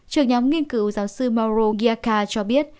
trường nhóm nghiên cứu giáo sư mauro ghiacca cho biết